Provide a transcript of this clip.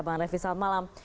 bang refli selamat malam